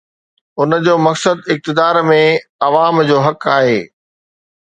ان جو مقصد اقتدار ۾ عوام جو حق آهي.